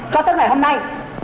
có tất cả hôm nay